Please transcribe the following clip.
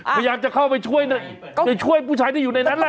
พยายามจะเข้าไปช่วยผู้ชายที่อยู่ในนั้นแหละ